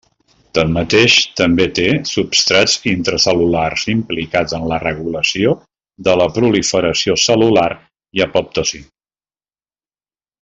Tanmateix, també té substrats intracel·lulars implicats en la regulació de la proliferació cel·lular i apoptosi.